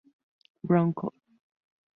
Brown Col.